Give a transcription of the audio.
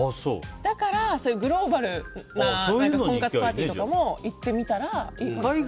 だから、グローバルな婚活パーティーとかにも行ってみたらいいかなと思う。